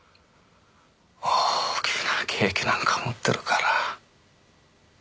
大きなケーキなんか持ってるから。